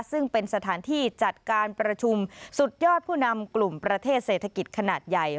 ซึ่งเป็นสถานที่จัดการประชุมสุดยอดผู้นำกลุ่มประเทศเศรษฐกิจขนาดใหญ่